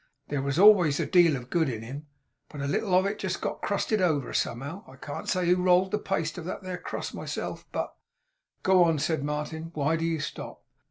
There was always a deal of good in him, but a little of it got crusted over, somehow. I can't say who rolled the paste of that 'ere crust myself, but ' 'Go on,' said Martin. 'Why do you stop?